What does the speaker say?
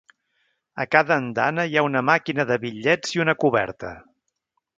A cada andana hi ha una màquina de bitllets i una coberta.